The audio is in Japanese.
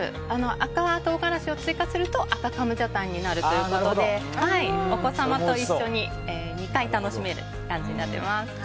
赤唐辛子を追加すると赤ガムジャタンになるということでお子様と一緒に２回楽しめる感じになっています。